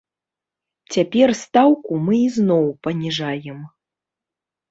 Цяпер стаўку мы ізноў паніжаем.